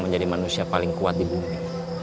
menjadi manusia paling kuat di bumi